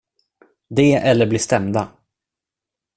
Det eller bli stämda.